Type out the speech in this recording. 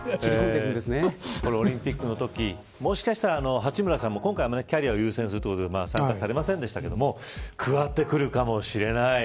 オリンピックのときもしかしたら八村さんも今回はキャリアを優先するということで参加されませんでしたが加わってくるかもしれない。